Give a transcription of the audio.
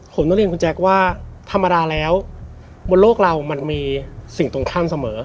ผมต้องเรียนคุณแจ๊คว่าธรรมดาแล้วบนโลกเรามันมีสิ่งตรงข้ามเสมอ